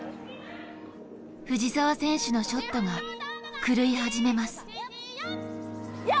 藤澤選手のショットが狂い始めます。